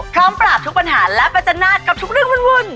พร้อมปราบทุกปัญหาและประจันหน้ากับทุกเรื่องวุ่น